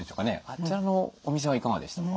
あちらのお店はいかがでしたか？